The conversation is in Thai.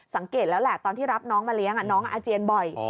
สังเกตแล้วแหละตอนที่รับน้องมาเลี้ยงน้องอาเจียนบ่อย